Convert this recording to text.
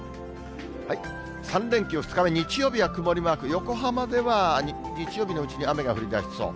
３連休２日目、日曜日は曇りマーク、横浜では日曜日のうちに雨が降りだしそう。